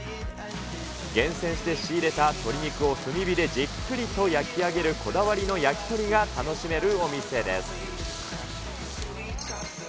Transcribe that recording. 厳選して仕入れた鶏肉を炭火でじっくりと焼き上げるこだわりの焼き鳥が楽しめるお店です。